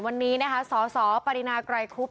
วันนี้นะคะสสปรินาไกรคุบ